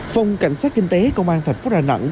phòng cảnh sát kinh tế công an thạch phúc đà nẵng